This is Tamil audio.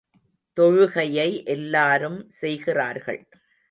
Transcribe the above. தொழுகையை எல்லாரும் செய்கிறார்கள்.